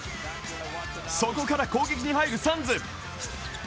そこから攻撃に入るサンズ。